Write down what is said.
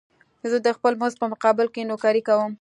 زه د خپل مزد په مقابل کې نوکري کوم